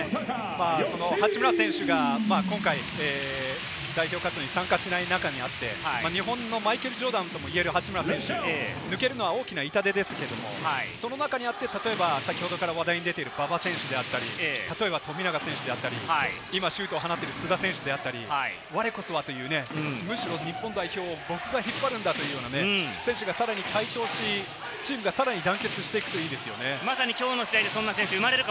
八村選手が今回、代表に参加しない中で、日本のマイケル・ジョーダンと言える八村選手、抜けるのは大きな痛手ですけれども、その中にあって、先ほどから出ている馬場選手、富永選手であったり、今シュートを放っている須田選手、我こそはと、むしろ日本代表を僕が引っ張るんだというような選手がさらに台頭し、チームが団結していくといいですね。